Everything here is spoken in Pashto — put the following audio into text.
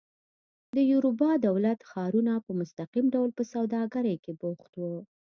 د یوروبا دولت ښارونه په مستقیم ډول په سوداګرۍ کې بوخت وو.